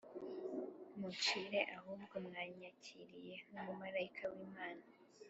mucire ahubwo mwanyakiriye nk umumarayikai w Imana